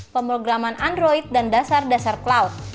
pemrograman android dan dasar dasar cloud